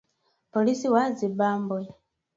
Polisi wa Zimbabwe